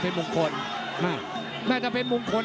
เพชรงคลแม่ถ้าเป็นมงคล